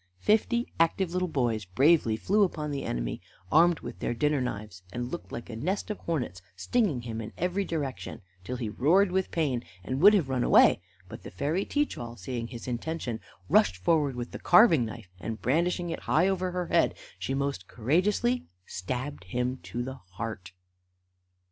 Fifty active little boys bravely flew upon the enemy, armed with their dinner knives, and looked like a nest of hornets, stinging him in every direction, till he roared with pain, and would have run away; but the fairy Teach all, seeing his intention, rushed forward with the carving knife, and brandishing it high over her head, she most courageously stabbed him to the heart.